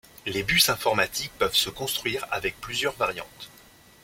Les bus informatiques peuvent se construire avec plusieurs variantes.